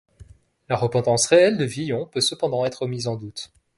La repentance réelle de Villon peut cependant être mise en doute.